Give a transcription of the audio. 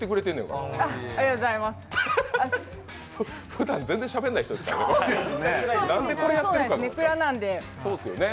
ふだん、全然しゃべんない人ですね。